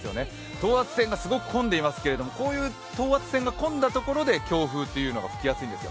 等圧線がすごく混んでいますけどこういう等圧線が混んだところで強風が吹きやすいんですよ。